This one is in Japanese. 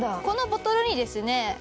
このボトルにですね